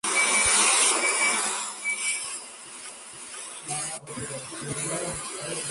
Perfeccionó sus estudios en el Conservatorio Internacional de Música de La Habana, Cuba.